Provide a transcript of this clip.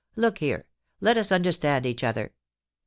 * Look here ; let us understand each other.